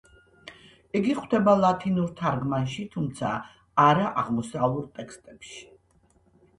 იგი გვხვდება ლათინურ თარგმანში, თუმცა არა აღმოსავლურ ტექსტებში.